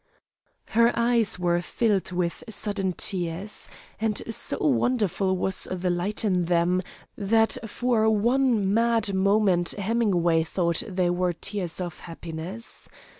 Her eyes were filled with sudden tears, and so wonderful was the light in them that for one mad moment Hemingway thought they were tears of happiness.